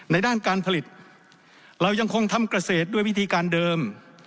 ด้านการผลิตเรายังคงทำเกษตรด้วยวิธีการเดิม